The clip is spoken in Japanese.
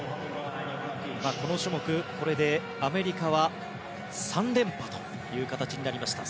この種目、これでアメリカは３連覇となりました。